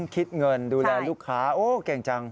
คิดเงินดูแลลูกค้าโอ้เก่งจัง